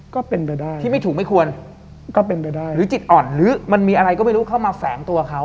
ก็เป็นไปได้ที่ไม่ถูกไม่ควรก็เป็นไปได้หรือจิตอ่อนหรือมันมีอะไรก็ไม่รู้เข้ามาแฝงตัวเขา